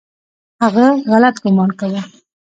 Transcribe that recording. هغه غلط ګومان کاوه .